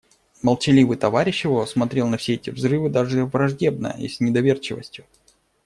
Молчаливый товарищ его смотрел на все эти взрывы даже враждебно и с недоверчивостью.